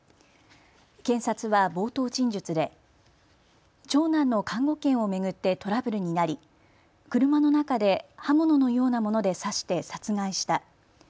検察は冒頭陳述で長男の監護権を巡ってトラブルになり車の中で刃物のようなもので刺して殺害した。